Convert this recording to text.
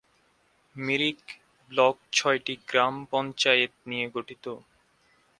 Mirik block ছয়টি গ্রাম পঞ্চায়েত নিয়ে গঠিত।